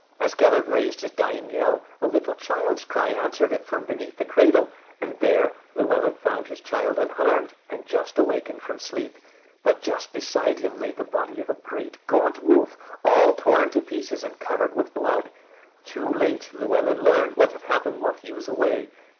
As Gellert raised his dying yell, a little child's cry answered it from beneath the cradle, and there Llewelyn found his child unharmed and just awakened from sleep. But just beside him lay the body of a great gaunt wolf all torn to pieces and covered with blood. Too late, Llewelyn learned what had happened while he was away.